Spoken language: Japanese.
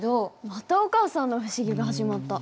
またお母さんの不思議が始まった。